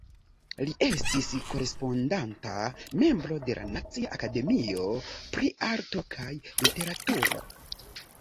Li estis korespondanta membro de la Nacia Akademio pri Arto kaj Literaturo.